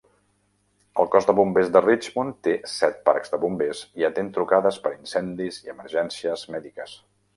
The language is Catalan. El Cos de Bombers de Richmond té set parcs de bombers i atén trucades per incendis i emergències mèdiques.